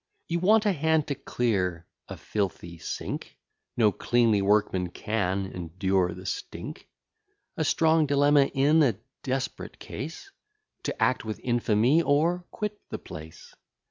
You want a hand to clear a filthy sink; No cleanly workman can endure the stink. A strong dilemma in a desperate case! To act with infamy, or quit the place.